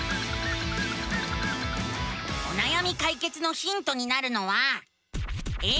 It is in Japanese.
おなやみかいけつのヒントになるのは。